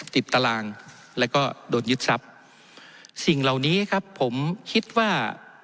ตารางแล้วก็โดนยึดทรัพย์สิ่งเหล่านี้ครับผมคิดว่า